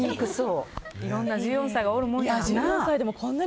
いろんな１４歳がおるもんやな。